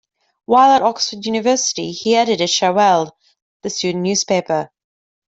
While at Oxford University, he edited "Cherwell", the student newspaper.